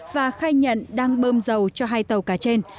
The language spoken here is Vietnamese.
và khai nhận đang bơm dầu cho hai tàu cá trên